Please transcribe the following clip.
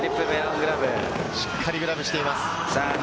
しっかりグラブしています。